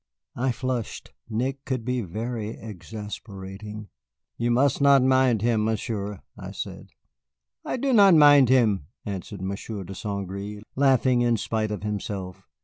I flushed. Nick could be very exasperating. "You must not mind him, Monsieur," I said. "I do not mind him," answered Monsieur de St. Gré, laughing in spite of himself.